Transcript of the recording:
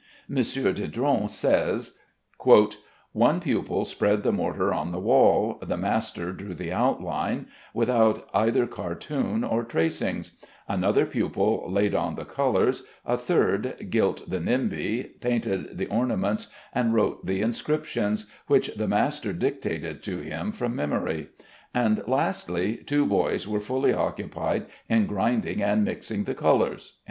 M. Didron says: "One pupil spread the mortar on the wall; the master drew the outline, without either cartoon or tracings; another pupil laid on the colors; a third gilt the nimbi, painted the ornaments, and wrote the inscriptions, which the master dictated to him from memory; and lastly, two boys were fully occupied in grinding and mixing the colors."